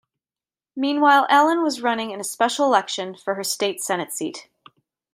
Meanwhile Allen was running in a special election for her State Senate seat.